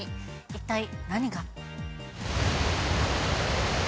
一体、何が？